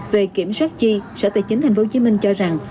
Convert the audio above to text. về kiểm soát chi sở tài chính thành phố hồ chí minh cho rằng